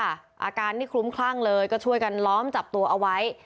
อาการนี่คลุ้มคลั่งเลยก็ช่วยกันล้อมจับตัวเอาไว้